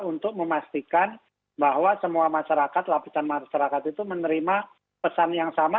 untuk memastikan bahwa semua masyarakat lapisan masyarakat itu menerima pesan yang sama